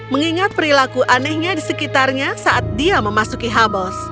mengingat perilaku anehnya di sekitarnya saat dia memasuki hubbles